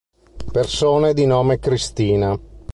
Persone di nome Cristina